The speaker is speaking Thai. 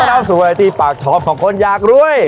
ประนับสู่วันไหล่ที่ปากท้อมของคนยากรวย